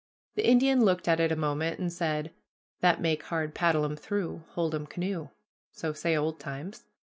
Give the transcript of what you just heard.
The Indian looked at it a moment and said, "That make hard paddlum through; hold 'em canoe. So say old times."